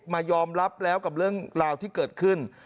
มายอมรับแล้วกับเรื่องราวที่เกิดขึ้น